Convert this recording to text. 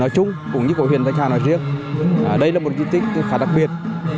nói chung cũng như của huyền tạch hà nói riêng đây là một di tích khá đặc biệt